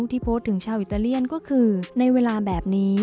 ที่โพสต์ถึงชาวอิตาเลียนก็คือในเวลาแบบนี้